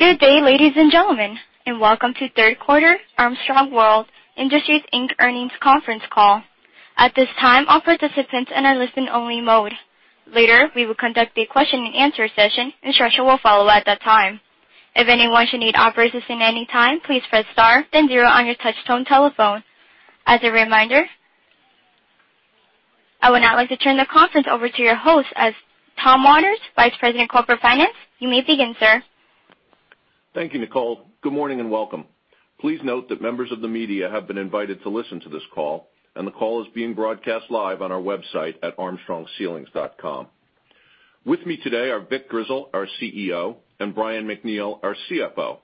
Good day, ladies and gentlemen, and welcome to third quarter Armstrong World Industries Inc. earnings conference call. At this time, all participants are in listen-only mode. Later, we will conduct a question and answer session, instructions will follow at that time. If anyone should need operator assistance at any time, please press star then zero on your touch tone telephone. As a reminder, I would now like to turn the conference over to your host, Tom Waters, Vice President of Corporate Finance. You may begin, sir. Thank you, Nicole. Good morning and welcome. Please note that members of the media have been invited to listen to this call, and the call is being broadcast live on our website at armstrongceilings.com. With me today are Vic Grizzle, our CEO, and Brian MacNeal, our CFO.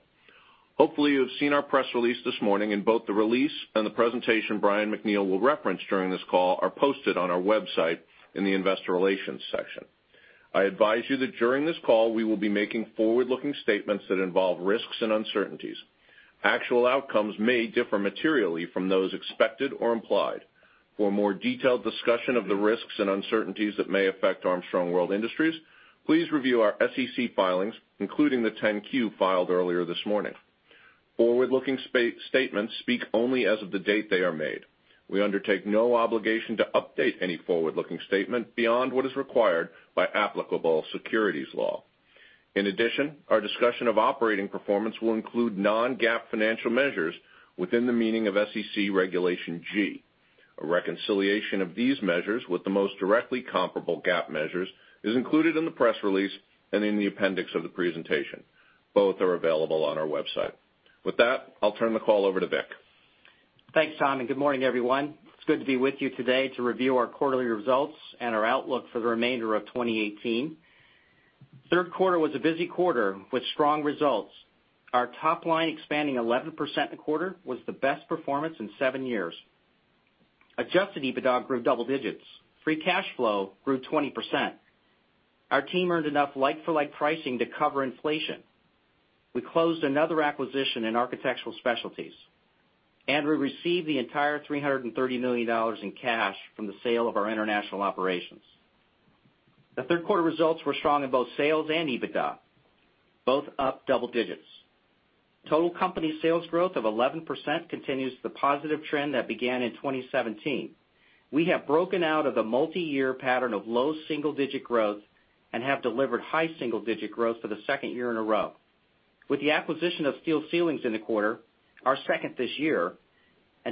Hopefully, you've seen our press release this morning and both the release and the presentation Brian MacNeal will reference during this call are posted on our website in the investor relations section. I advise you that during this call, we will be making forward-looking statements that involve risks and uncertainties. Actual outcomes may differ materially from those expected or implied. For a more detailed discussion of the risks and uncertainties that may affect Armstrong World Industries, please review our SEC filings, including the 10-Q filed earlier this morning. Forward-looking statements speak only as of the date they are made. We undertake no obligation to update any forward-looking statement beyond what is required by applicable securities law. In addition, our discussion of operating performance will include non-GAAP financial measures within the meaning of SEC Regulation G. A reconciliation of these measures with the most directly comparable GAAP measures is included in the press release and in the appendix of the presentation. Both are available on our website. With that, I'll turn the call over to Vic. Thanks, Tom, and good morning, everyone. It's good to be with you today to review our quarterly results and our outlook for the remainder of 2018. Third quarter was a busy quarter with strong results. Our top line expanding 11% in the quarter was the best performance in seven years. Adjusted EBITDA grew double digits. Free cash flow grew 20%. Our team earned enough like-for-like pricing to cover inflation. We closed another acquisition in Architectural Specialties, and we received the entire $330 million in cash from the sale of our international operations. The third quarter results were strong in both sales and EBITDA, both up double digits. Total company sales growth of 11% continues the positive trend that began in 2017. We have broken out of the multi-year pattern of low single-digit growth and have delivered high single-digit growth for the second year in a row. With the acquisition of Steel Ceilings in the quarter, our second this year,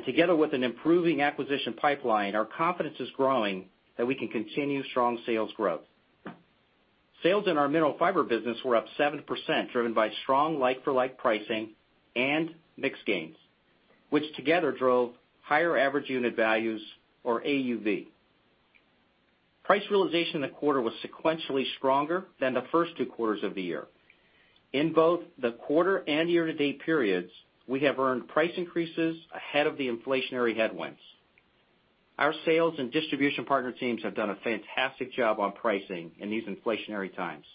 together with an improving acquisition pipeline, our confidence is growing that we can continue strong sales growth. Sales in our Mineral Fiber business were up 7%, driven by strong like-for-like pricing and mix gains, which together drove higher average unit values or AUV. Price realization in the quarter was sequentially stronger than the first two quarters of the year. In both the quarter and year-to-date periods, we have earned price increases ahead of the inflationary headwinds. Our sales and distribution partner teams have done a fantastic job on pricing in these inflationary times.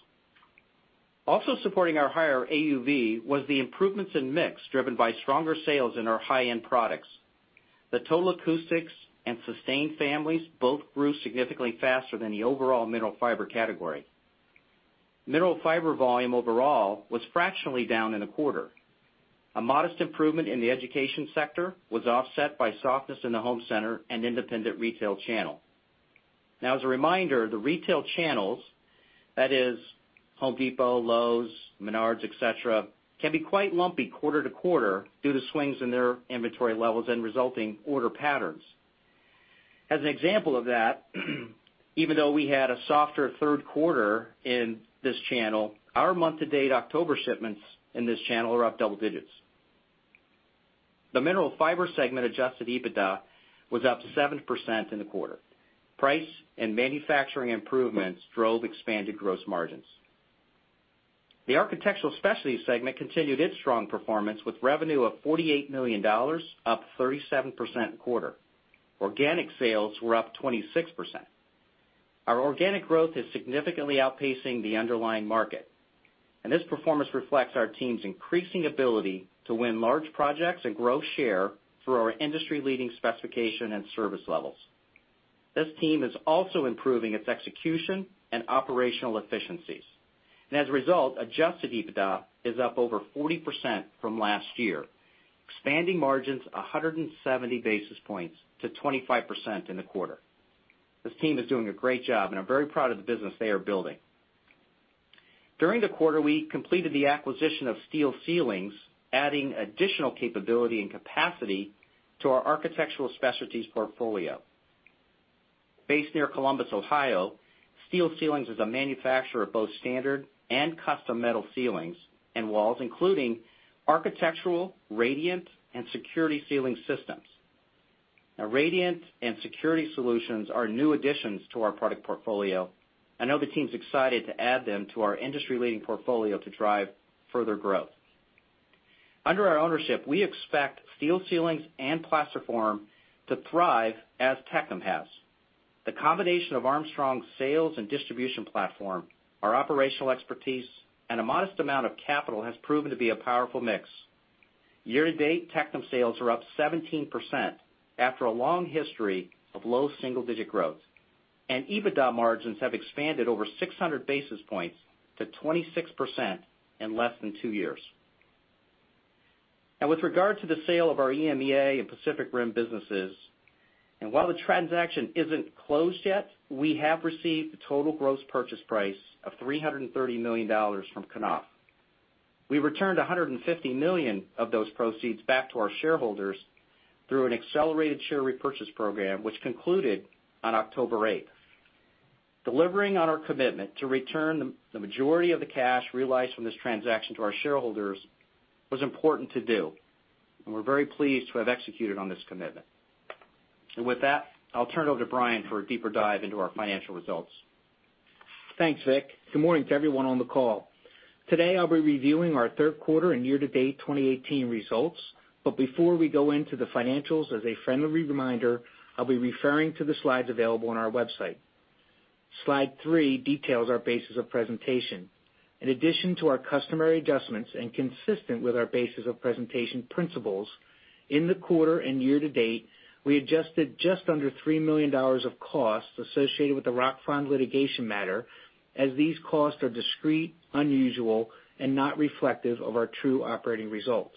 Also supporting our higher AUV was the improvements in mix driven by stronger sales in our high-end products. The Total Acoustics and Sustain families both grew significantly faster than the overall Mineral Fiber category. Mineral Fiber volume overall was fractionally down in the quarter. A modest improvement in the education sector was offset by softness in the home center and independent retail channel. As a reminder, the retail channels, that is The Home Depot, Lowe's, Menards, et cetera, can be quite lumpy quarter to quarter due to swings in their inventory levels and resulting order patterns. As an example of that, even though we had a softer third quarter in this channel, our month-to-date October shipments in this channel are up double digits. The Mineral Fiber segment adjusted EBITDA was up 7% in the quarter. Price and manufacturing improvements drove expanded gross margins. The Architectural Specialties segment continued its strong performance with revenue of $48 million, up 37% in quarter. Organic sales were up 26%. Our organic growth is significantly outpacing the underlying market, this performance reflects our team's increasing ability to win large projects and grow share through our industry-leading specification and service levels. This team is also improving its execution and operational efficiencies. As a result, adjusted EBITDA is up over 40% from last year, expanding margins 170 basis points to 25% in the quarter. This team is doing a great job, I'm very proud of the business they are building. During the quarter, we completed the acquisition of Steel Ceilings, adding additional capability and capacity to our Architectural Specialties portfolio. Based near Columbus, Ohio, Steel Ceilings is a manufacturer of both standard and custom metal ceilings and walls, including architectural, radiant, and security ceiling systems. Radiant and security solutions are new additions to our product portfolio. I know the team's excited to add them to our industry-leading portfolio to drive further growth. Under our ownership, we expect Steel Ceilings and Plasterform to thrive as Tectum has. The combination of Armstrong's sales and distribution platform, our operational expertise, and a modest amount of capital has proven to be a powerful mix. Year-to-date, Tectum sales are up 17% after a long history of low single-digit growth, and EBITDA margins have expanded over 600 basis points to 26% in less than two years. With regard to the sale of our EMEA and Pacific Rim businesses, while the transaction isn't closed yet, we have received the total gross purchase price of $330 million from Knauf. We returned $150 million of those proceeds back to our shareholders through an accelerated share repurchase program, which concluded on October 8th. Delivering on our commitment to return the majority of the cash realized from this transaction to our shareholders was important to do, and we're very pleased to have executed on this commitment. With that, I'll turn it over to Brian for a deeper dive into our financial results. Thanks, Vic. Good morning to everyone on the call. Today, I'll be reviewing our third quarter and year-to-date 2018 results. Before we go into the financials, as a friendly reminder, I'll be referring to the slides available on our website. Slide three details our basis of presentation. In addition to our customary adjustments and consistent with our basis of presentation principles, in the quarter and year to date, we adjusted just under $3 million of costs associated with the Rockfon litigation matter, as these costs are discrete, unusual, and not reflective of our true operating results.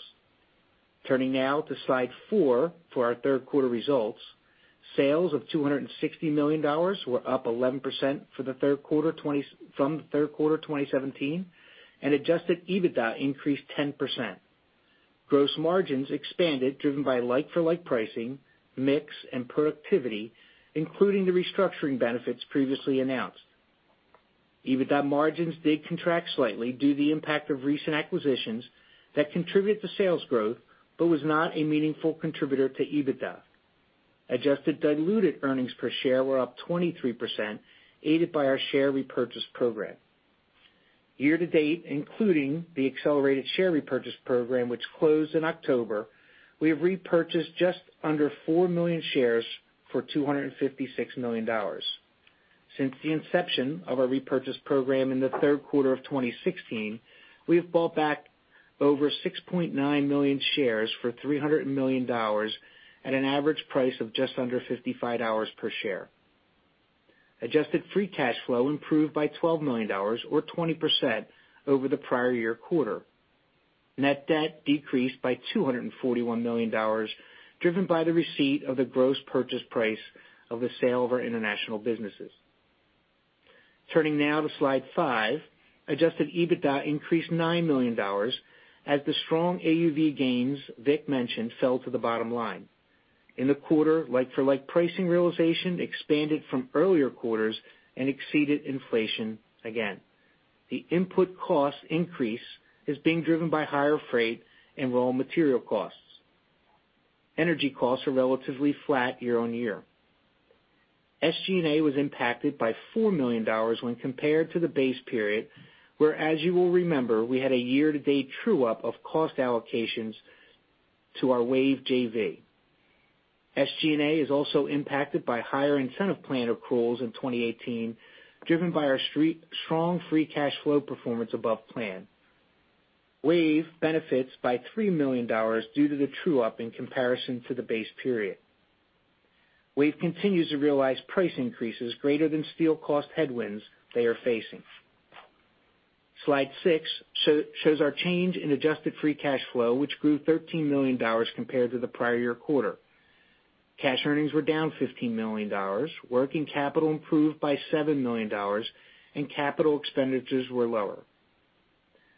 Turning now to slide four for our third quarter results. Sales of $260 million were up 11% from the third quarter 2017, adjusted EBITDA increased 10%. Gross margins expanded, driven by like-for-like pricing, mix, and productivity, including the restructuring benefits previously announced. EBITDA margins did contract slightly due to the impact of recent acquisitions that contribute to sales growth, but was not a meaningful contributor to EBITDA. Adjusted diluted earnings per share were up 23%, aided by our share repurchase program. Year to date, including the accelerated share repurchase program, which closed in October, we have repurchased just under four million shares for $256 million. Since the inception of our repurchase program in the third quarter of 2016, we have bought back over 6.9 million shares for $300 million at an average price of just under $55 per share. Adjusted free cash flow improved by $12 million, or 20% over the prior year quarter. Net debt decreased by $241 million, driven by the receipt of the gross purchase price of the sale of our international businesses. Turning now to slide five. Adjusted EBITDA increased $9 million as the strong AUV gains Vic mentioned fell to the bottom line. In the quarter, like-for-like pricing realization expanded from earlier quarters and exceeded inflation again. The input cost increase is being driven by higher freight and raw material costs. Energy costs are relatively flat year-on-year. SG&A was impacted by $4 million when compared to the base period, where, as you will remember, we had a year-to-date true-up of cost allocations to our WAVE JV. SG&A is also impacted by higher incentive plan accruals in 2018, driven by our strong free cash flow performance above plan. WAVE benefits by $3 million due to the true-up in comparison to the base period. WAVE continues to realize price increases greater than steel cost headwinds they are facing. Slide six shows our change in adjusted free cash flow, which grew $13 million compared to the prior year quarter. Cash earnings were down $15 million. Working capital improved by $7 million, and capital expenditures were lower.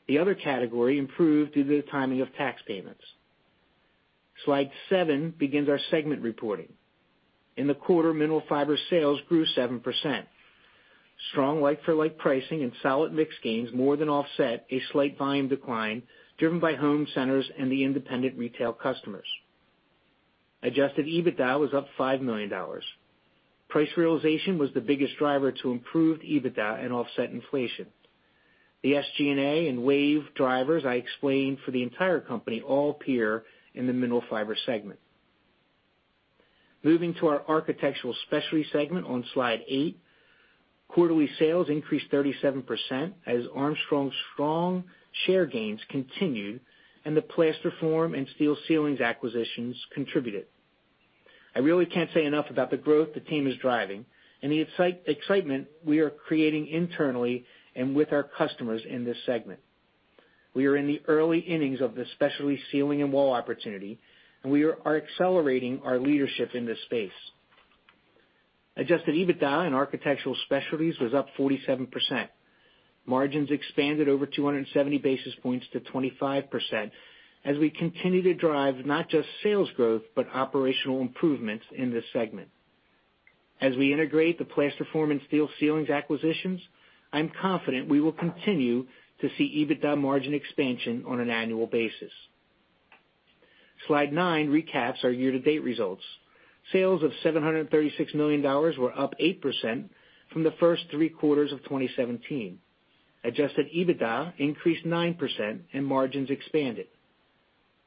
The other category improved due to the timing of tax payments. Slide seven begins our segment reporting. In the quarter, Mineral Fiber sales grew 7%. Strong like-for-like pricing and solid mix gains more than offset a slight volume decline driven by home centers and the independent retail customers. Adjusted EBITDA was up $5 million. Price realization was the biggest driver to improved EBITDA and offset inflation. The SG&A and WAVE drivers I explained for the entire company all appear in the Mineral Fiber segment. Moving to our Architectural Specialties segment on Slide 8, quarterly sales increased 37% as Armstrong's strong share gains continued and the Plasterform and Steel Ceilings acquisitions contributed. I really can't say enough about the growth the team is driving and the excitement we are creating internally and with our customers in this segment. We are in the early innings of the specialty ceiling and wall opportunity, and we are accelerating our leadership in this space. Adjusted EBITDA in Architectural Specialties was up 47%. Margins expanded over 270 basis points to 25% as we continue to drive not just sales growth, but operational improvements in this segment. As we integrate the Plasterform and Steel Ceilings acquisitions, I'm confident we will continue to see EBITDA margin expansion on an annual basis. Slide nine recaps our year-to-date results. Sales of $736 million were up 8% from the first three quarters of 2017. Adjusted EBITDA increased 9%, and margins expanded.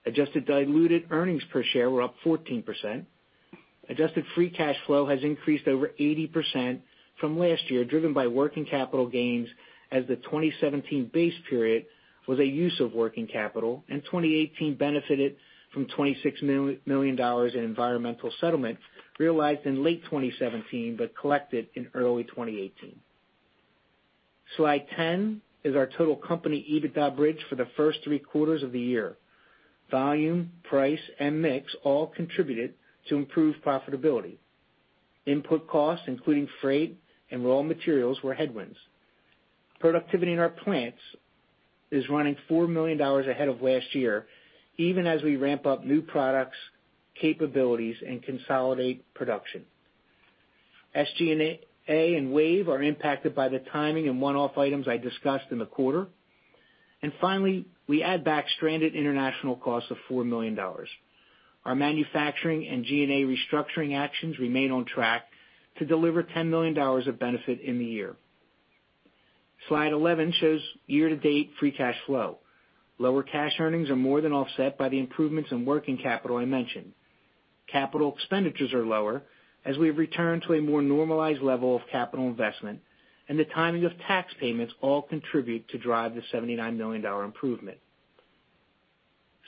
Adjusted diluted earnings per share were up 14%. Adjusted free cash flow has increased over 80% from last year, driven by working capital gains, as the 2017 base period was a use of working capital, and 2018 benefited from $26 million in environmental settlement realized in late 2017 but collected in early 2018. Slide 10 is our total company EBITDA bridge for the first three quarters of the year. Volume, price, and mix all contributed to improved profitability. Input costs, including freight and raw materials, were headwinds. Productivity in our plants is running $4 million ahead of last year, even as we ramp up new products, capabilities, and consolidate production. SG&A and WAVE are impacted by the timing and one-off items I discussed in the quarter. Finally, we add back stranded international costs of $4 million. Our manufacturing and G&A restructuring actions remain on track to deliver $10 million of benefit in the year. Slide 11 shows year-to-date free cash flow. Lower cash earnings are more than offset by the improvements in working capital I mentioned. Capital expenditures are lower as we have returned to a more normalized level of capital investment, and the timing of tax payments all contribute to drive the $79 million improvement.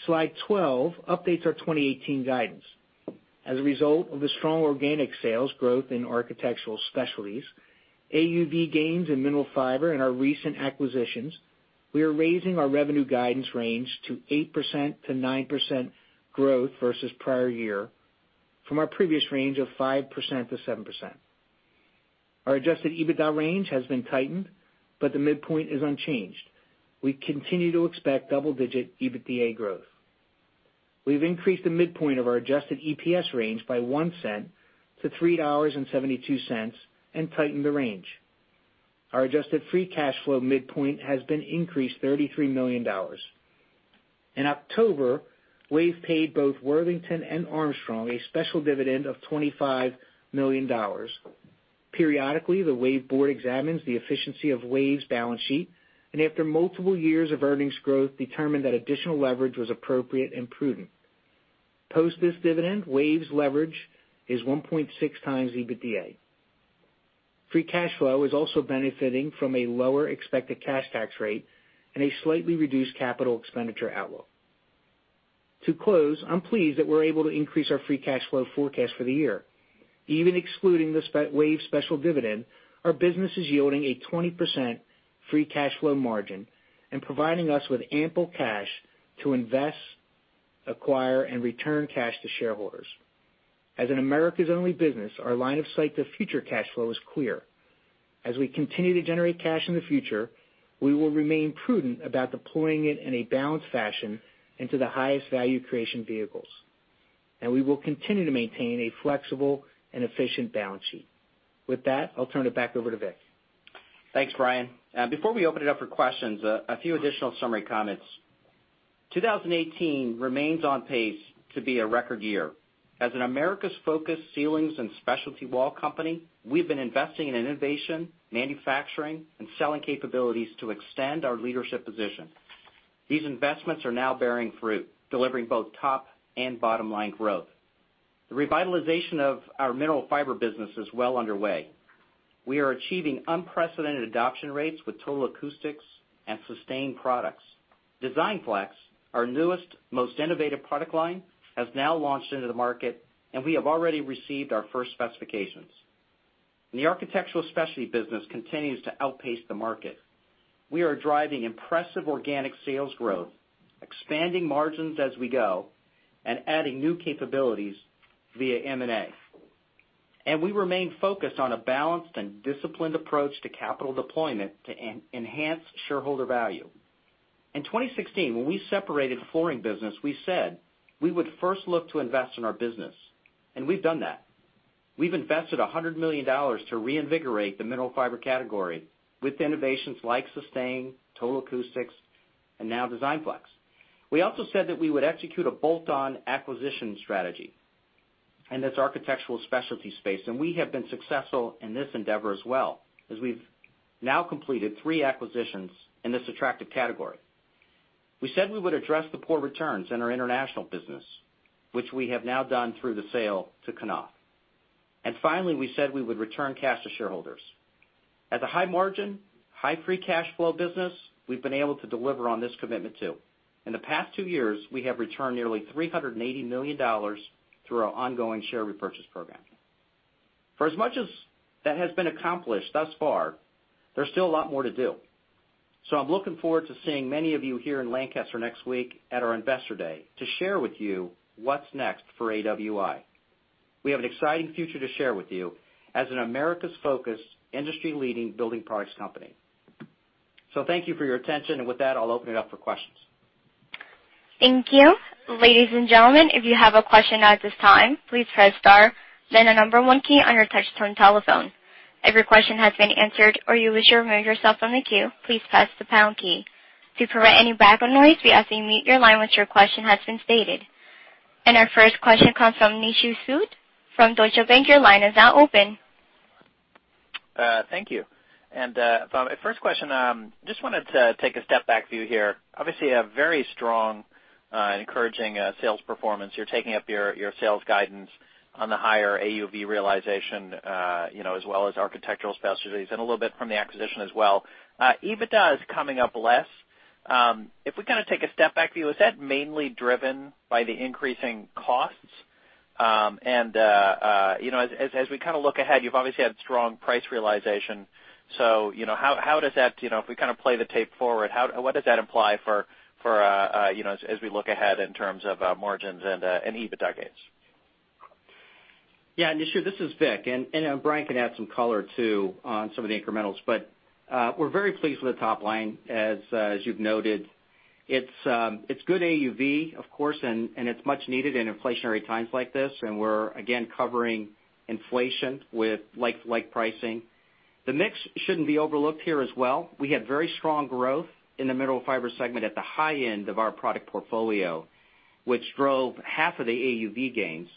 Slide 12 updates our 2018 guidance. As a result of the strong organic sales growth in Architectural Specialties, AUV gains in Mineral Fiber, and our recent acquisitions, we are raising our revenue guidance range to 8%-9% growth versus prior year from our previous range of 5%-7%. Our adjusted EBITDA range has been tightened, but the midpoint is unchanged. We continue to expect double-digit EBITDA growth. We've increased the midpoint of our adjusted EPS range by $0.01 to $3.72 and tightened the range. Our adjusted free cash flow midpoint has been increased $33 million. In October, Worthington Armstrong Venture paid both Worthington and Armstrong a special dividend of $25 million. Periodically, the Worthington Armstrong Venture board examines the efficiency of Worthington Armstrong Venture's balance sheet, and after multiple years of earnings growth, determined that additional leverage was appropriate and prudent. Post this dividend, Worthington Armstrong Venture's leverage is 1.6 times EBITDA. Free cash flow is also benefiting from a lower expected cash tax rate and a slightly reduced capital expenditure outlook. To close, I'm pleased that we're able to increase our free cash flow forecast for the year. Even excluding the Worthington Armstrong Venture special dividend, our business is yielding a 20% free cash flow margin and providing us with ample cash to invest, acquire, and return cash to shareholders. As an Americas-only business, our line of sight to future cash flow is clear. As we continue to generate cash in the future, we will remain prudent about deploying it in a balanced fashion into the highest value creation vehicles. We will continue to maintain a flexible and efficient balance sheet. With that, I'll turn it back over to Vic. Thanks, Brian. Before we open it up for questions, a few additional summary comments. 2018 remains on pace to be a record year. As an Americas-focused ceilings and specialty wall company, we've been investing in innovation, manufacturing, and selling capabilities to extend our leadership position. These investments are now bearing fruit, delivering both top and bottom-line growth. The revitalization of our Mineral Fiber business is well underway. We are achieving unprecedented adoption rates with Total Acoustics and Sustain products. DESIGNFlex, our newest, most innovative product line, has now launched into the market, and we have already received our first specifications. The Architectural Specialties business continues to outpace the market. We are driving impressive organic sales growth, expanding margins as we go, and adding new capabilities via M&A. We remain focused on a balanced and disciplined approach to capital deployment to enhance shareholder value. In 2016, when we separated the flooring business, we said we would first look to invest in our business, and we've done that. We've invested $100 million to reinvigorate the Mineral Fiber category with innovations like Sustain, Total Acoustics, and now DESIGNFlex. We also said that we would execute a bolt-on acquisition strategy in this Architectural Specialties space, and we have been successful in this endeavor as well, as we've now completed three acquisitions in this attractive category. We said we would address the poor returns in our international business, which we have now done through the sale to Knauf. Finally, we said we would return cash to shareholders. As a high margin, high free cash flow business, we've been able to deliver on this commitment, too. In the past two years, we have returned nearly $380 million through our ongoing share repurchase program. For as much as that has been accomplished thus far, there's still a lot more to do. I'm looking forward to seeing many of you here in Lancaster next week at our Investor Day to share with you what's next for AWI. We have an exciting future to share with you as an Americas-focused, industry-leading building products company. Thank you for your attention, and with that, I'll open it up for questions. Thank you. Ladies and gentlemen, if you have a question at this time, please press star then the number 1 key on your touchtone telephone. If your question has been answered or you wish to remove yourself from the queue, please press the pound key. To prevent any background noise, we ask that you mute your line once your question has been stated. Our first question comes from Nishu Sood from Deutsche Bank. Your line is now open. Thank you. First question, just wanted to take a step back view here. Obviously, a very strong, encouraging sales performance. You're taking up your sales guidance on the higher AUV realization, as well as Architectural Specialties and a little bit from the acquisition as well. EBITDA is coming up less. If we take a step back view, is that mainly driven by the increasing costs? As we look ahead, you've obviously had strong price realization. If we play the tape forward, what does that imply as we look ahead in terms of margins and EBITDA gains? Yeah, Nishu, this is Vic. Brian can add some color too on some of the incrementals. We're very pleased with the top line, as you've noted. It's good AUV, of course, and it's much needed in inflationary times like this, and we're again covering inflation with like pricing. The mix shouldn't be overlooked here as well. We had very strong growth in the Mineral Fiber segment at the high end of our product portfolio, which drove half of the AUV gains.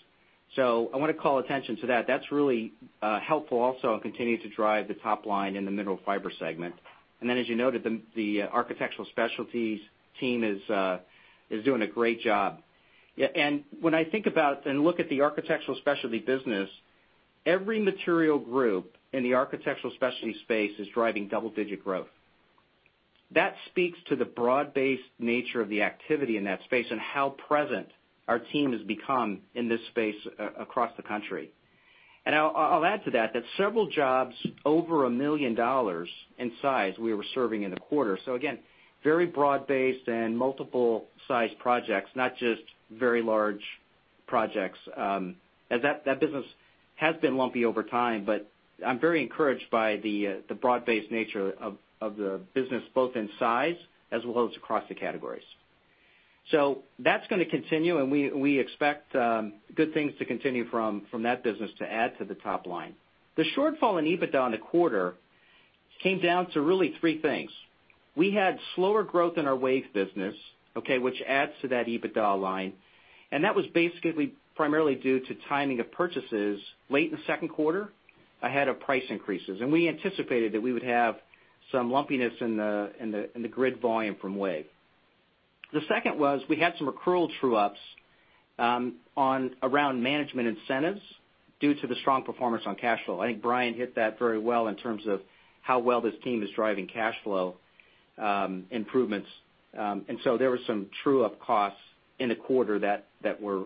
I want to call attention to that. That's really helpful also in continuing to drive the top line in the Mineral Fiber segment. Then, as you noted, the Architectural Specialties team is doing a great job. When I think about and look at the Architectural Specialty business, every material group in the Architectural Specialty space is driving double-digit growth. That speaks to the broad-based nature of the activity in that space and how present our team has become in this space across the country. I'll add to that several jobs over $1 million in size we were serving in the quarter. Again, very broad-based and multiple size projects, not just very large projects. That business has been lumpy over time, but I'm very encouraged by the broad-based nature of the business, both in size as well as across the categories. That's going to continue, and we expect good things to continue from that business to add to the top line. The shortfall in EBITDA in the quarter came down to really three things. We had slower growth in our WAVE business, okay, which adds to that EBITDA line, and that was basically primarily due to timing of purchases late in the second quarter ahead of price increases. We anticipated that we would have some lumpiness in the grid volume from WAVE. The second was we had some accrual true-ups around management incentives due to the strong performance on cash flow. I think Brian hit that very well in terms of how well this team is driving cash flow improvements. There were some true-up costs in the quarter that were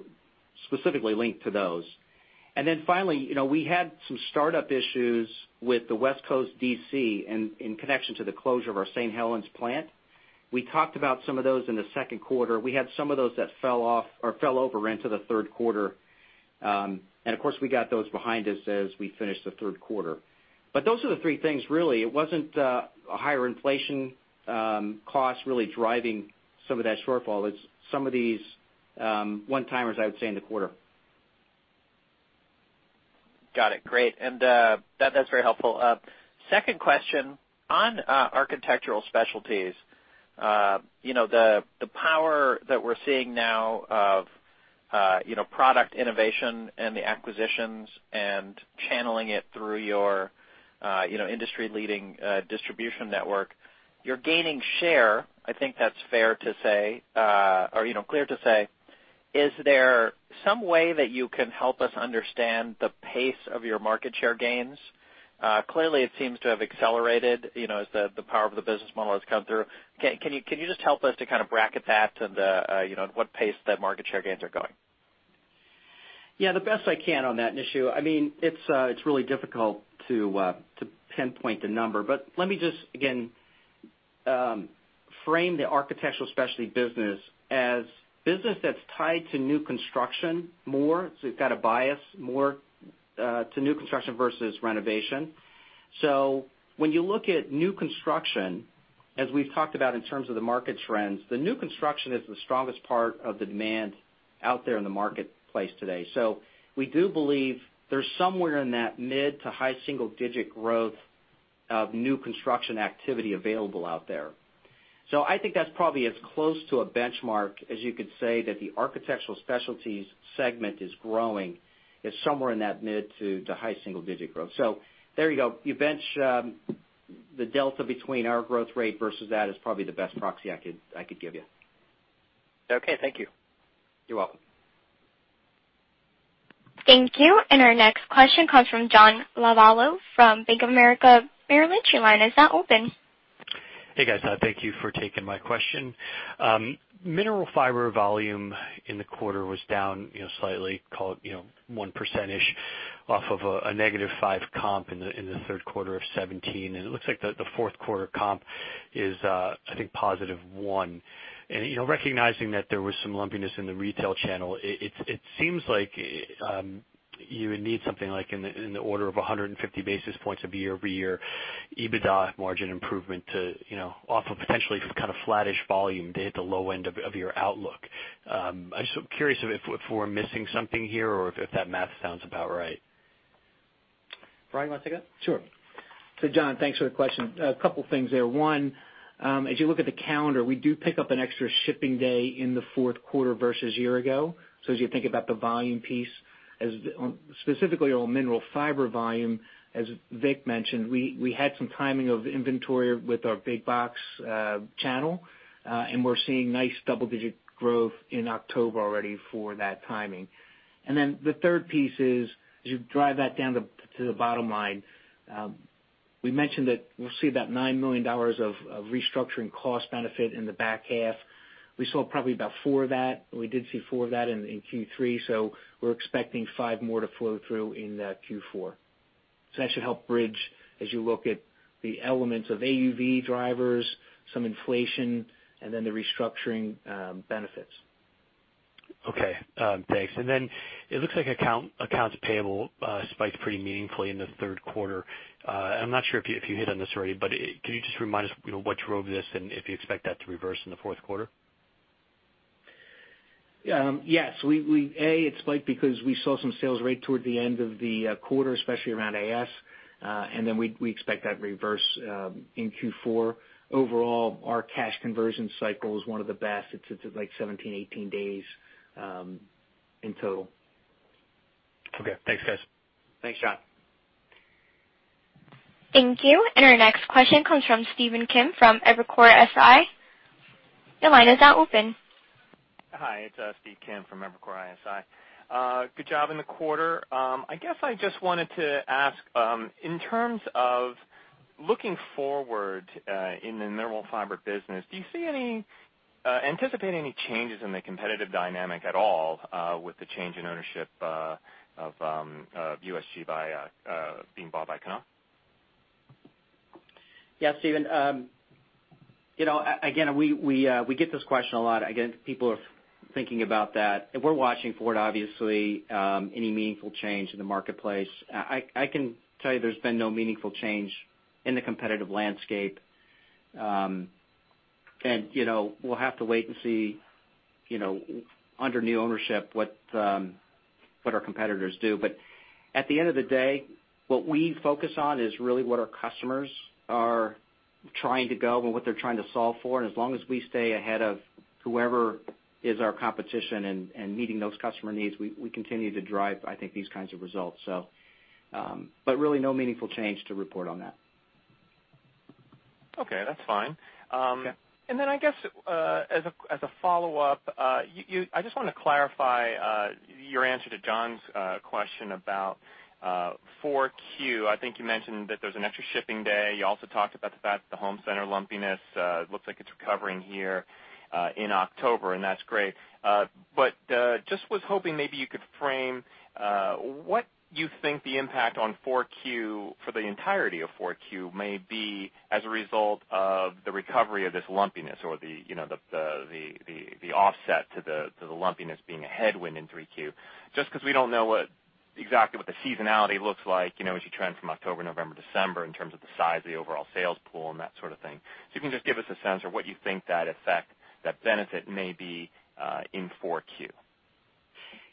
specifically linked to those. Finally, we had some startup issues with the West Coast D.C. in connection to the closure of our St. Helens plant. We talked about some of those in the second quarter. We had some of those that fell off or fell over into the third quarter. Of course, we got those behind us as we finished the third quarter. Those are the three things, really. It wasn't a higher inflation cost really driving some of that shortfall. It's some of these one-timers, I would say, in the quarter. Got it. Great. That's very helpful. Second question, on Architectural Specialties. The power that we're seeing now of product innovation and the acquisitions and channeling it through your industry-leading distribution network. You're gaining share, I think that's fair to say or clear to say. Is there some way that you can help us understand the pace of your market share gains? Clearly, it seems to have accelerated as the power of the business model has come through. Can you just help us to bracket that and what pace the market share gains are going? Yeah, the best I can on that, Nishu. It is really difficult to pinpoint the number, but let me just, again, frame the Architectural Specialties business as business that is tied to new construction more, it has got a bias more to new construction versus renovation. When you look at new construction, as we have talked about in terms of the market trends, the new construction is the strongest part of the demand out there in the marketplace today. We do believe there is somewhere in that mid to high single-digit growth of new construction activity available out there. I think that is probably as close to a benchmark as you could say that the Architectural Specialties segment is growing is somewhere in that mid to high single-digit growth. There you go. You bench the delta between our growth rate versus that is probably the best proxy I could give you. Okay. Thank you. You are welcome. Thank you. Our next question comes from John Lovallo from Bank of America Merrill Lynch. Your line is now open. Hey, guys. Thank you for taking my question. Mineral Fiber volume in the quarter was down slightly, call it 1%ish off of a -5% comp in the third quarter of 2017, and it looks like the fourth quarter comp is, I think, +1%. Recognizing that there was some lumpiness in the retail channel, it seems like you would need something like in the order of 150 basis points of year-over-year EBITDA margin improvement off of potentially kind of flattish volume to hit the low end of your outlook. I'm just curious if we're missing something here or if that math sounds about right. Brian, you want to take it? Sure. John, thanks for the question. A couple things there. One As you look at the calendar, we do pick up an extra shipping day in the fourth quarter versus year ago. As you think about the volume piece, specifically on Mineral Fiber volume, as Vic mentioned, we had some timing of inventory with our big box channel, and we're seeing nice double-digit growth in October already for that timing. The third piece is, as you drive that down to the bottom line, we mentioned that we'll see about $9 million of restructuring cost benefit in the back half. We saw probably about four of that. We did see four of that in Q3, we're expecting five more to flow through in Q4. That should help bridge as you look at the elements of AUV drivers, some inflation, and then the restructuring benefits. Okay. Thanks. It looks like accounts payable spiked pretty meaningfully in the third quarter. I'm not sure if you hit on this already, but can you just remind us what drove this and if you expect that to reverse in the fourth quarter? Yes. It spiked because we saw some sales right toward the end of the quarter, especially around AS. We expect that reverse in Q4. Overall, our cash conversion cycle is one of the best. It's like 17, 18 days in total. Okay. Thanks, guys. Thanks, John. Thank you. Our next question comes from Stephen Kim from Evercore ISI. Your line is now open. Hi, it's Steve Kim from Evercore ISI. Good job in the quarter. I guess I just wanted to ask, in terms of looking forward in the Mineral Fiber business, do you anticipate any changes in the competitive dynamic at all with the change in ownership of USG being bought by Knauf? Yeah, Stephen. Again, we get this question a lot. Again, people are thinking about that. We're watching for it, obviously, any meaningful change in the marketplace. I can tell you there's been no meaningful change in the competitive landscape. We'll have to wait and see under new ownership what our competitors do. At the end of the day, what we focus on is really what our customers are trying to go and what they're trying to solve for, and as long as we stay ahead of whoever is our competition and meeting those customer needs, we continue to drive these kinds of results. Really no meaningful change to report on that. Okay. That's fine. Yeah. I guess as a follow-up, I just want to clarify your answer to John's question about 4Q. I think you mentioned that there's an extra shipping day. You also talked about the fact the home center lumpiness looks like it's recovering here in October, and that's great. Just was hoping maybe you could frame what you think the impact on 4Q for the entirety of 4Q may be as a result of the recovery of this lumpiness or the offset to the lumpiness being a headwind in 3Q. Just because we don't know exactly what the seasonality looks like as you trend from October, November, December in terms of the size of the overall sales pool and that sort of thing. If you can just give us a sense of what you think that effect, that benefit may be in 4Q.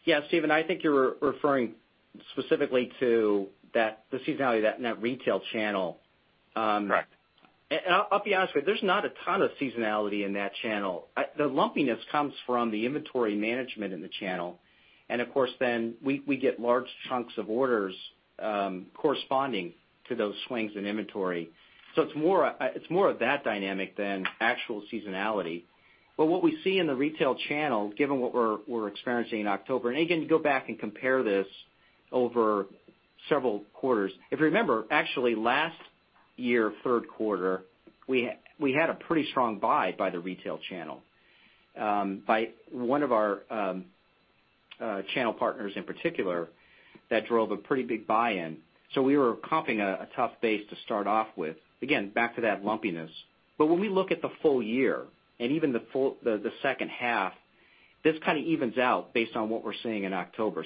Yeah, Stephen, I think you're referring specifically to the seasonality of that net retail channel. Correct. I'll be honest with you, there's not a ton of seasonality in that channel. The lumpiness comes from the inventory management in the channel. Of course then we get large chunks of orders corresponding to those swings in inventory. It's more of that dynamic than actual seasonality. What we see in the retail channel, given what we're experiencing in October, and again, you go back and compare this over several quarters. If you remember, actually last year, third quarter, we had a pretty strong buy by the retail channel. By one of our channel partners in particular that drove a pretty big buy-in. We were comping a tough base to start off with. Again, back to that lumpiness. When we look at the full year and even the second half, this kind of evens out based on what we're seeing in October.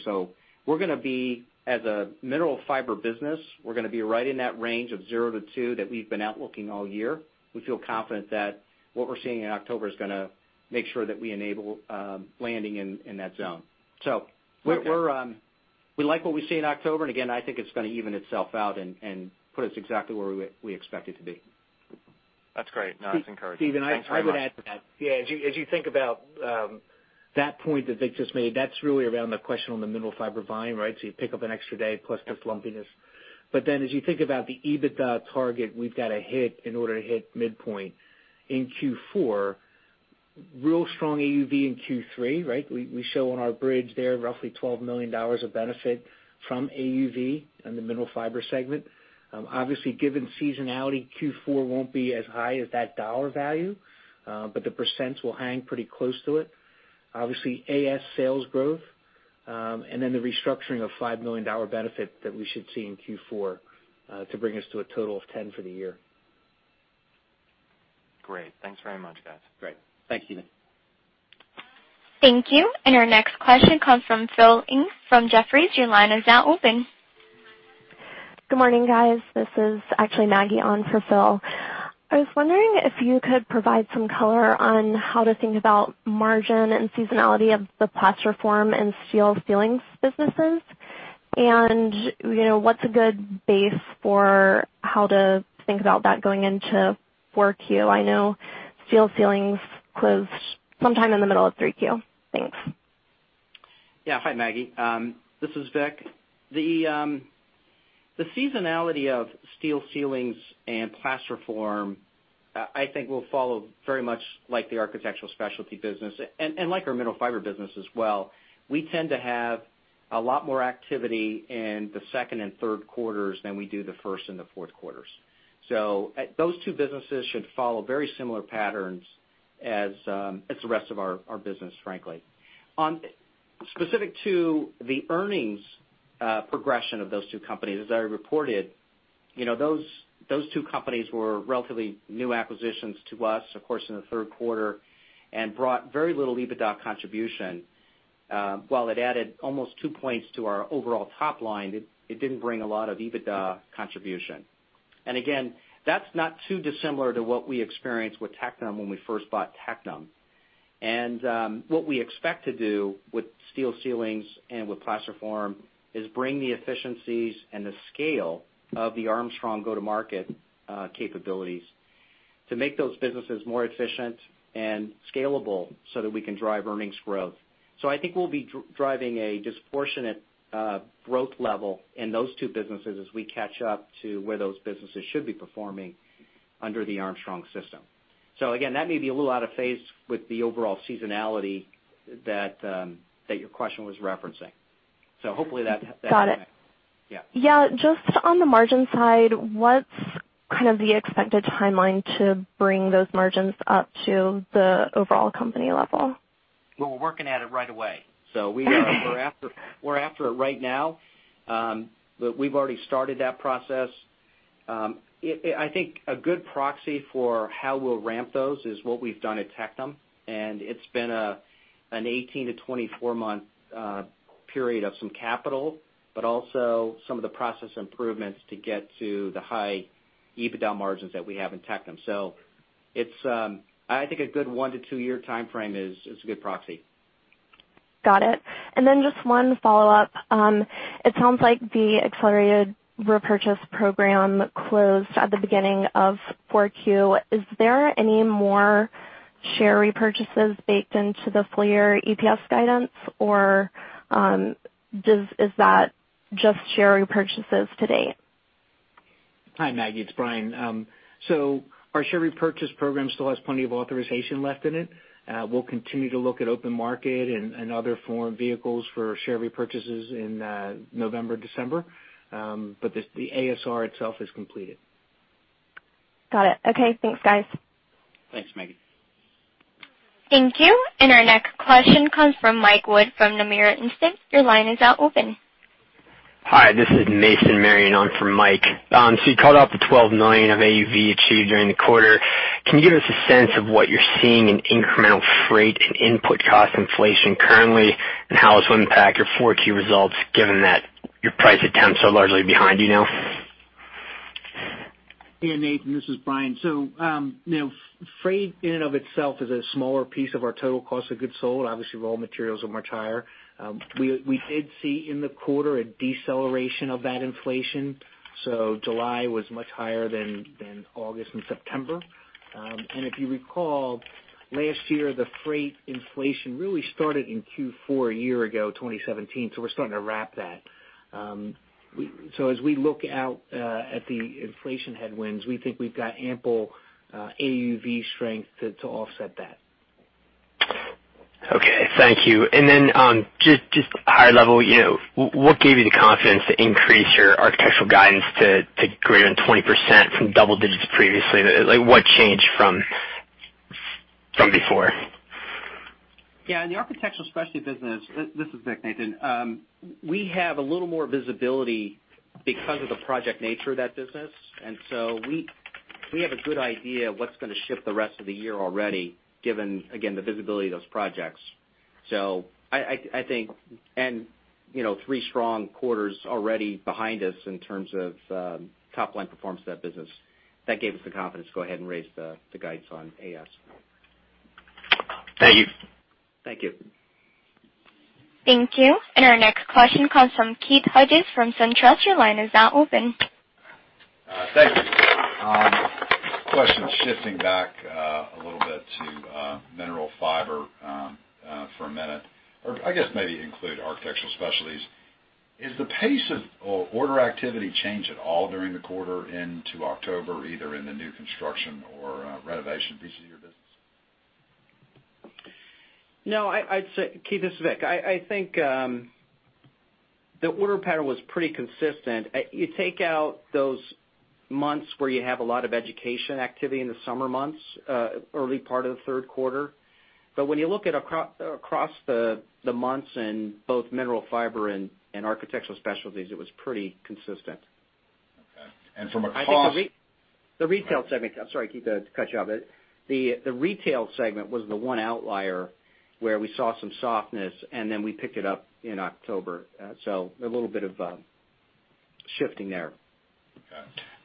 We're going to be, as a Mineral Fiber business, we're going to be right in that range of 0 to 2 that we've been out looking all year. We feel confident that what we're seeing in October is going to make sure that we enable landing in that zone. We like what we see in October. Again, I think it's going to even itself out and put us exactly where we expect it to be. That's great. That's encouraging. Thanks very much. Stephen, I would add to that. As you think about that point that Vic just made, that's really around the question on the Mineral Fiber volume, right? You pick up an extra day plus the lumpiness. As you think about the EBITDA target we've got to hit in order to hit midpoint in Q4, real strong AUV in Q3, right? We show on our bridge there roughly $12 million of benefit from AUV in the Mineral Fiber segment. Obviously, given seasonality, Q4 won't be as high as that dollar value. The %s will hang pretty close to it. Obviously, AS sales growth, the restructuring of $5 million benefit that we should see in Q4 to bring us to a total of 10 for the year. Great. Thanks very much, guys. Great. Thanks, Stephen. Thank you. Our next question comes from Philip Ng from Jefferies. Your line is now open. Good morning, guys. This is actually Maggie on for Phil. I was wondering if you could provide some color on how to think about margin and seasonality of the Plasterform and Steel Ceilings businesses. What's a good base for how to think about that going into 4Q? I know Steel Ceilings closed sometime in the middle of 3Q. Thanks. Yeah. Hi, Maggie. This is Vic. The seasonality of Steel Ceilings and Plasterform, I think will follow very much like the Architectural Specialties business and like our Mineral Fiber business as well. We tend to have a lot more activity in the second and third quarters than we do the first and the fourth quarters. Those two businesses should follow very similar patterns as the rest of our business, frankly. On specific to the earnings progression of those two companies, as I reported, those two companies were relatively new acquisitions to us, of course, in the third quarter, and brought very little EBITDA contribution. While it added almost two points to our overall top line, it didn't bring a lot of EBITDA contribution. Again, that's not too dissimilar to what we experienced with Tectum when we first bought Tectum. What we expect to do with Steel Ceilings and with Plasterform is bring the efficiencies and the scale of the Armstrong go-to-market capabilities to make those businesses more efficient and scalable so that we can drive earnings growth. I think we'll be driving a disproportionate growth level in those two businesses as we catch up to where those businesses should be performing under the Armstrong system. Again, that may be a little out of phase with the overall seasonality that your question was referencing. Got it. Yeah. Just on the margin side, what's kind of the expected timeline to bring those margins up to the overall company level? We're working at it right away, we're after it right now. We've already started that process. I think a good proxy for how we'll ramp those is what we've done at Tectum, and it's been an 18-24 month period of some capital, but also some of the process improvements to get to the high EBITDA margins that we have in Tectum. I think a good one to two year timeframe is a good proxy. Got it. Just one follow-up. It sounds like the accelerated repurchase program closed at the beginning of 4Q. Is there any more share repurchases baked into the full year EPS guidance or is that just share repurchases to date? Hi, Maggie. It's Brian. Our share repurchase program still has plenty of authorization left in it. We'll continue to look at open market and other form vehicles for share repurchases in November, December. The ASR itself is completed. Got it. Okay, thanks, guys. Thanks, Maggie. Thank you. Our next question comes from Mike Wood from Nomura Instinet. Your line is now open. Hi, this is Nathan Martin on for Mike. You called out the $12 million of AUV achieved during the quarter. Can you give us a sense of what you're seeing in incremental freight and input cost inflation currently, and how it will impact your 4Q results given that your price attempts are largely behind you now? Hey, Nathan, this is Brian. Freight in and of itself is a smaller piece of our total cost of goods sold. Obviously, raw materials are much higher. We did see in the quarter a deceleration of that inflation. July was much higher than August and September. If you recall last year, the freight inflation really started in Q4 a year ago, 2017. We're starting to wrap that. As we look out at the inflation headwinds, we think we've got ample AUV strength to offset that. Okay. Thank you. Just high level, what gave you the confidence to increase your Architectural guidance to greater than 20% from double digits previously? Like what changed from before? Yeah. In the Architectural Specialties business, this is Vic, Nathan. We have a little more visibility because of the project nature of that business. We have a good idea of what's going to ship the rest of the year already given, again, the visibility of those projects. And three strong quarters already behind us in terms of top-line performance of that business. That gave us the confidence to go ahead and raise the guidance on AS. Thank you. Thank you. Thank you. Our next question comes from Keith Hughes from SunTrust. Your line is now open. Thank you. Question shifting back a little bit to Mineral Fiber for a minute or I guess maybe include Architectural Specialties. Is the pace of order activity change at all during the quarter into October, either in the new construction or renovation pieces of your business? No, I'd say, Keith, this is Vic. I think the order pattern was pretty consistent. You take out those months where you have a lot of education activity in the summer months, early part of the third quarter. When you look at across the months in both Mineral Fiber and Architectural Specialties, it was pretty consistent. Okay. From a cost- The retail segment. I'm sorry, Keith, to cut you off. The retail segment was the one outlier where we saw some softness and then we picked it up in October. A little bit of shifting there.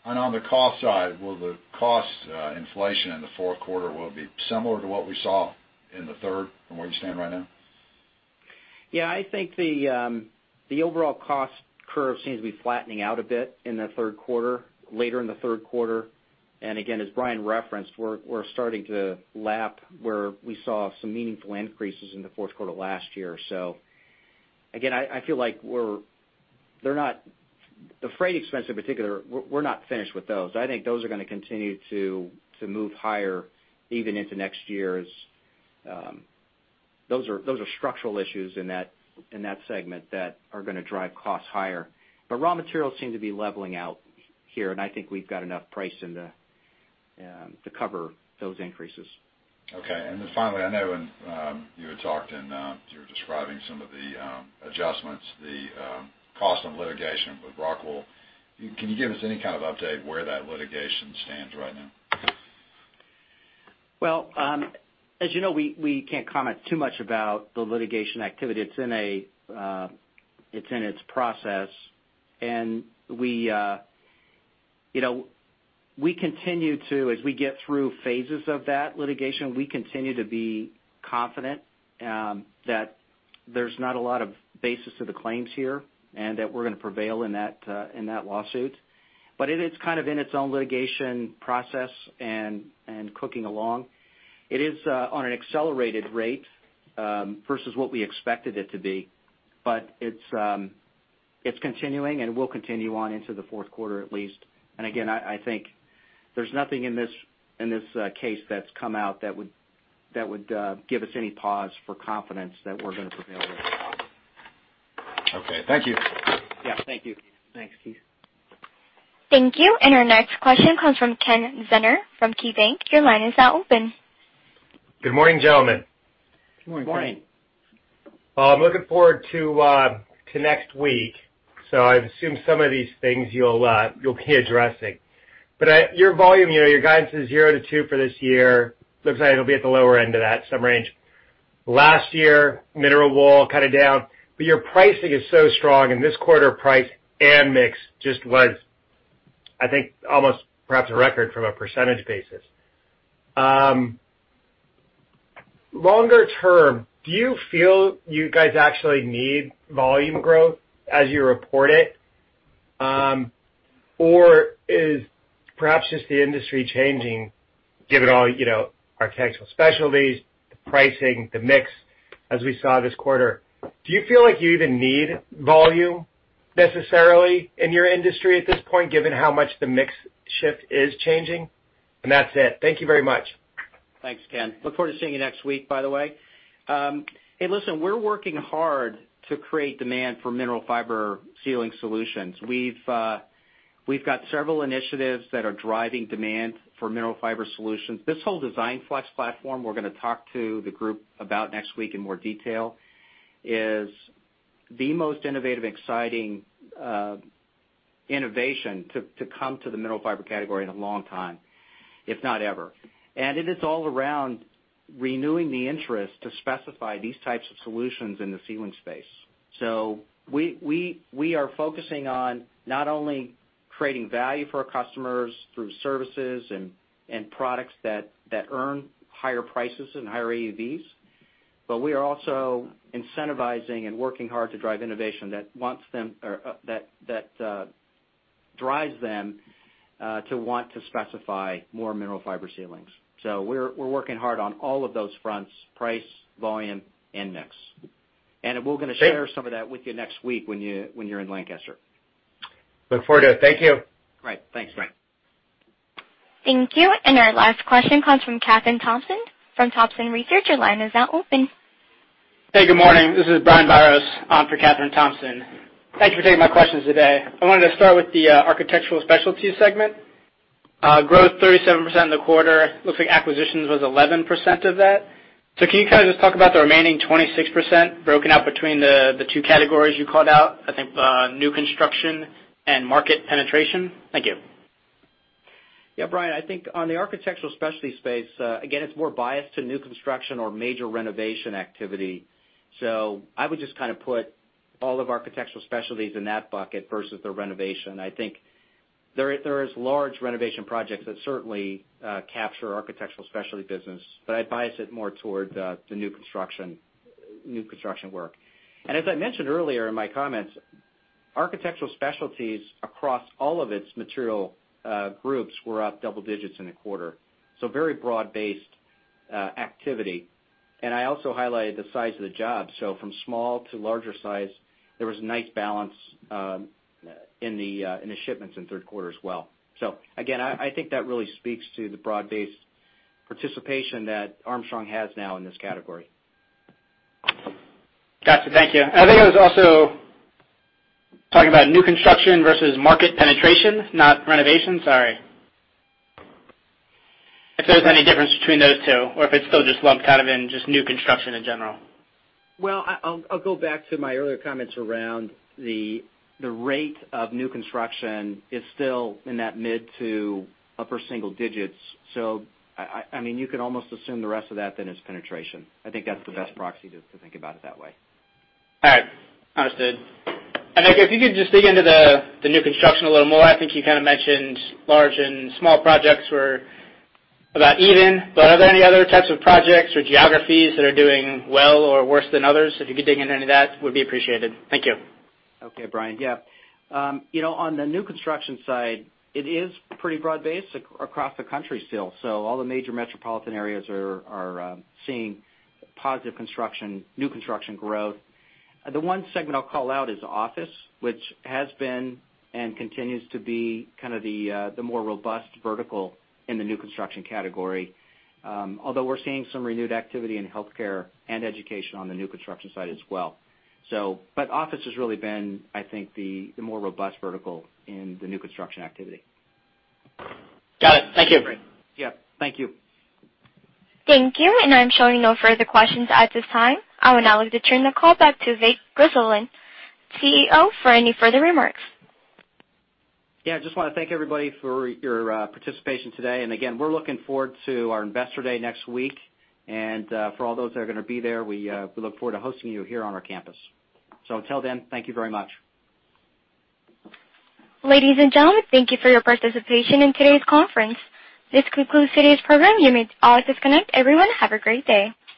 On the cost side, will the cost inflation in the fourth quarter be similar to what we saw in the third from where you stand right now? I think the overall cost curve seems to be flattening out a bit in the third quarter, later in the third quarter. Again, as Brian referenced, we're starting to lap where we saw some meaningful increases in the fourth quarter last year. Again, I feel like the freight expense in particular, we're not finished with those. I think those are going to continue to move higher even into next year as those are structural issues in that segment that are going to drive costs higher. Raw materials seem to be leveling out here, and I think we've got enough price in to cover those increases. Okay. Then finally, I know, and you had talked and you were describing some of the adjustments, the cost of litigation with Rockfon. Can you give us any kind of update where that litigation stands right now? Well, as you know, we can't comment too much about the litigation activity. It's in its process, and as we get through phases of that litigation, we continue to be confident that there's not a lot of basis to the claims here, and that we're going to prevail in that lawsuit. It is kind of in its own litigation process and cooking along. It is on an accelerated rate versus what we expected it to be, but it's continuing, and will continue on into the fourth quarter at least. Again, I think there's nothing in this case that's come out that would give us any pause for confidence that we're going to prevail. Okay. Thank you. Yeah. Thank you. Thanks, Keith. Thank you. Our next question comes from Kenneth Zener from KeyBank. Your line is now open. Good morning, gentlemen. Good morning. Morning. Well, I'm looking forward to next week. I assume some of these things you'll be addressing. Your volume, your guidance is 0%-2% for this year. Looks like it'll be at the lower end of that, some range. Last year, Mineral Fiber cut it down. Your pricing is so strong in this quarter, price and mix just was, I think, almost perhaps a record from a percentage basis. Longer term, do you feel you guys actually need volume growth as you report it? Is perhaps just the industry changing given all Architectural Specialties, the pricing, the mix as we saw this quarter? Do you feel like you even need volume necessarily in your industry at this point, given how much the mix shift is changing? That's it. Thank you very much. Thanks, Ken. Look forward to seeing you next week, by the way. Hey, listen, we're working hard to create demand for Mineral Fiber ceiling solutions. We've got several initiatives that are driving demand for Mineral Fiber solutions. This whole DESIGNFlex platform we're going to talk to the group about next week in more detail is the most innovative, exciting innovation to come to the Mineral Fiber category in a long time, if not ever. It is all around renewing the interest to specify these types of solutions in the ceiling space. We are focusing on not only creating value for our customers through services and products that earn higher prices and higher AUVs, but we are also incentivizing and working hard to drive innovation that drives them to want to specify more Mineral Fiber ceilings. We're working hard on all of those fronts, price, volume, and mix. We're going to share some of that with you next week when you're in Lancaster. Look forward to it. Thank you. Great. Thanks, Ken. Thank you. Our last question comes from Kathryn Thompson from Thompson Research. Your line is now open. Hey, good morning. This is Brian Biros for Kathryn Thompson. Thank you for taking my questions today. I wanted to start with the Architectural Specialties segment. Growth 37% in the quarter, looks like acquisitions was 11% of that. Can you kind of just talk about the remaining 26% broken out between the two categories you called out, I think, new construction and market penetration? Thank you. Yeah, Brian, I think on the Architectural Specialties space, again, it's more biased to new construction or major renovation activity. I would just kind of put all of Architectural Specialties in that bucket versus the renovation. I think there is large renovation projects that certainly capture Architectural Specialties business, but I'd bias it more toward the new construction work. As I mentioned earlier in my comments, Architectural Specialties across all of its material groups were up double digits in the quarter. Very broad-based activity. I also highlighted the size of the job. From small to larger size, there was a nice balance in the shipments in the third quarter as well. Again, I think that really speaks to the broad-based participation that Armstrong has now in this category. Gotcha. Thank you. I think I was also talking about new construction versus market penetration, not renovation. Sorry. If there's any difference between those two or if it's still just lumped kind of in just new construction in general? Well, I'll go back to my earlier comments around the rate of new construction is still in that mid to upper single digits. You can almost assume the rest of that then is penetration. I think that's the best proxy to think about it that way. All right. Understood. If you could just dig into the new construction a little more. I think you kind of mentioned large and small projects were about even, but are there any other types of projects or geographies that are doing well or worse than others? If you could dig into any of that, would be appreciated. Thank you. Okay, Brian. Yeah. On the new construction side, it is pretty broad-based across the country still. All the major metropolitan areas are seeing positive construction, new construction growth. The one segment I will call out is office, which has been and continues to be kind of the more robust vertical in the new construction category. Although we are seeing some renewed activity in healthcare and education on the new construction side as well. Office has really been, I think, the more robust vertical in the new construction activity. Got it. Thank you. Yeah. Thank you. Thank you. I am showing no further questions at this time. I would now like to turn the call back to Vic Grizzle, CEO, for any further remarks. Yeah, just want to thank everybody for your participation today. Again, we're looking forward to our investor day next week. For all those that are going to be there, we look forward to hosting you here on our campus. Until then, thank you very much. Ladies and gentlemen, thank you for your participation in today's conference. This concludes today's program. You may all disconnect. Everyone, have a great day.